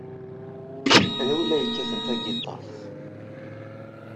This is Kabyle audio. Anwa ay la yekkaten tagiṭart?